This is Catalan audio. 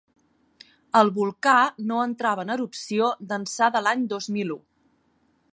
El volcà no entrava en erupció d’ençà de l’any dos mil u.